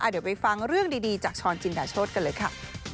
เดี๋ยวไปฟังเรื่องดีจากช้อนจินดาโชธกันเลยค่ะ